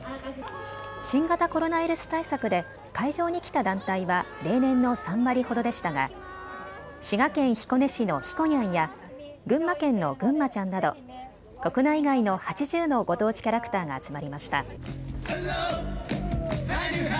新型コロナウイルス対策で会場に来た団体は例年の３割ほどでしたが滋賀県彦根市のひこにゃんや群馬県のぐんまちゃんなど国内外の８０のご当地キャラクターが集まりました。